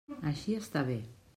Així està bé.